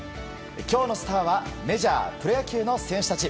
今日のスターはメジャー、プロ野球の選手たち。